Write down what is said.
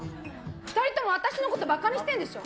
２人とも私のことばかにしてるんでしょ。